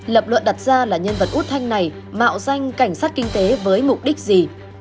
lập luận đặt ra là nhân vật út thanh này mạo danh cảnh sát kinh tế với mục đích gì